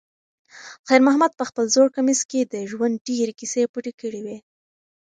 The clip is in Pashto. خیر محمد په خپل زوړ کمیس کې د ژوند ډېرې کیسې پټې کړې وې.